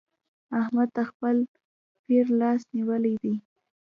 احمد د خپل پير لاس نيولی دی.